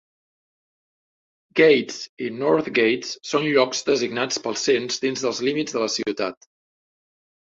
Gates i North Gates són llocs designats pel cens dins els límits de la ciutat.